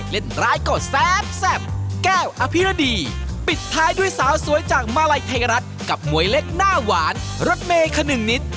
หรือจากมาลัยไทยรัฐกับมวยเล็กหน้าหวานรัดเมคนึงนิด